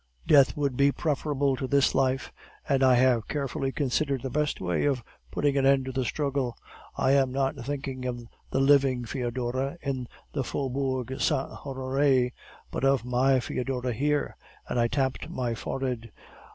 Death would be preferable to this life, and I have carefully considered the best way of putting an end to the struggle. I am not thinking of the living Foedora in the Faubourg Saint Honore, but of my Foedora here,' and I tapped my forehead.